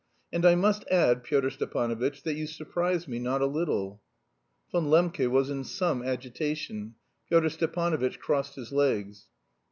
And I must add, Pyotr Stepanovitch, that you surprise me not a little." Von Lembke was in some agitation. Pyotr Stepanovitch crossed his legs.